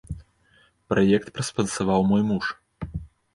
Праект праспансаваў мой муж.